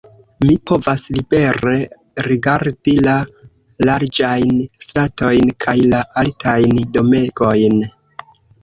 Mi povas libere rigardi la larĝajn stratojn kaj la altajn domegojn.